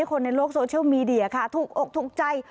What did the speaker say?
คนในโลกโซเชียลมีเดียค่ะถูกอกถูกใจ